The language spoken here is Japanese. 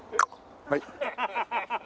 はい。